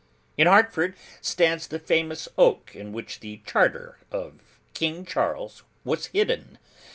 In Hartford stands the famous oak in which the charter of King Charles was hidden.